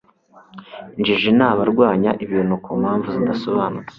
injiji n'abarwanya ibintu ku mpamvu zidasobanutse